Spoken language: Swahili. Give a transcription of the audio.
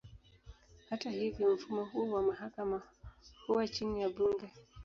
Hata hivyo, mfumo huo wa mahakama huwa chini ya bunge.